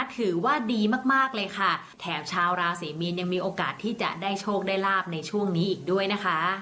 ถือว่าดีมากมากเลยค่ะแถมชาวราศรีมีนยังมีโอกาสที่จะได้โชคได้ลาบในช่วงนี้อีกด้วยนะคะ